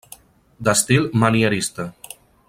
D'estil manierista.